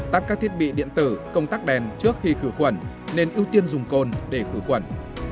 tắt các thiết bị điện tử công tắc đèn trước khi khử khuẩn nên ưu tiên dùng côn để khử khuẩn